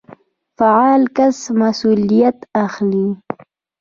فعال کس مسوليت اخلي.